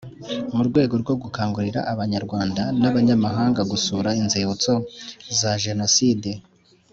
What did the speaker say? Mu rwego rwo gukangurira Abanyarwanda n Abanyamahanga gusura Inzibutso za Jenoside